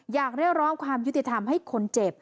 อยากเรียกร้องความยุติธรรมให้คนเจ็บ